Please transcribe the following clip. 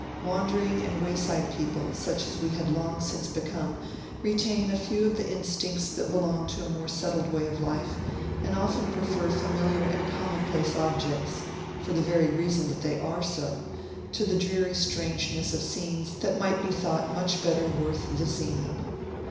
Wandering and wayside people, such as we had long since become, retain a few of the instincts that belong to a more settled way of life, and often prefer familiar and commonplace objects (for the very reason that they are so) to the dreary strangeness of scenes that might be thought much better worth the seeing.